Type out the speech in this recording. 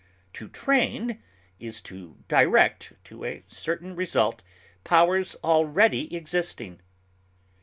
To train is to direct to a certain result powers already existing.